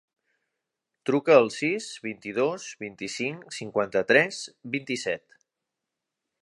Truca al sis, vint-i-dos, vint-i-cinc, cinquanta-tres, vint-i-set.